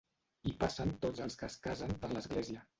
Hi passen tots els que es casen per l'església.